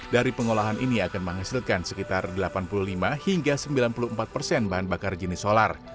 dari pengolahan ini akan menghasilkan sekitar delapan puluh lima hingga sembilan puluh empat persen bahan bakar jenis solar